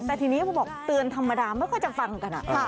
แต่ทีนี้พอบอกเตือนธรรมดาไม่ค่อยจะฟังกัน